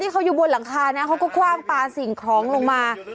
เขาอยู่บนหลังคานะเขาก็คว่างปลาสิ่งของลงมา